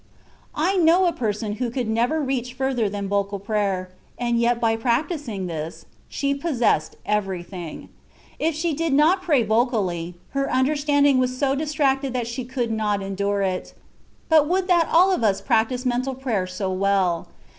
I know a person who could never reach further than vocal prayer, and yet by practising this, she possessed everything : if she did not pray vocally, her understanding was so distracted that she could not endure it ; but would that all of us prac tised mental prayer so well.